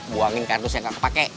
buangin kartus yang gak kepake